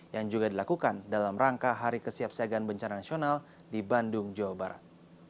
yang juga dilakukan dalam rangka hari kesiapsiagaan bencana nasional di bandung jawa barat